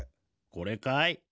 これかい？